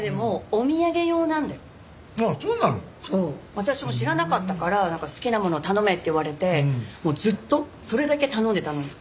私も知らなかったからなんか好きなもの頼めって言われてもうずっとそれだけ頼んでたのよ。